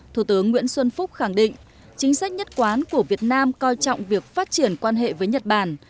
thủ tướng nguyễn xuân phúc khẳng định chính sách nhất quán của việt nam coi trọng việc phát triển quan hệ với nhật bản